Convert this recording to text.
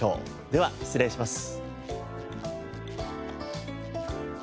では失礼します。